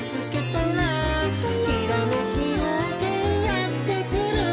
「ひらめきようせいやってくる」